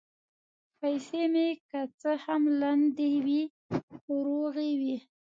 پیسې مې که څه هم لندې وې، خو روغې وې.